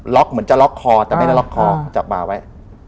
เหมือนจะล็อกคอแต่ไม่ได้ล็อกคอจับมาไว้